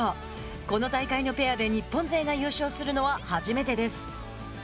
この大会のペアで日本勢が優勝するのは初めてです。